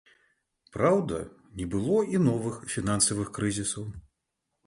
Праўда, не было і новых фінансавых крызісаў.